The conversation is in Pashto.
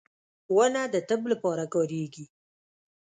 • ونه د طب لپاره کارېږي.